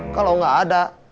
kalau gak ada